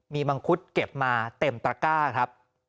มีมังคุดเก็บมาเต็มตะกร้า